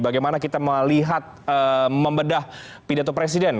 bagaimana kita melihat membedah pidato presiden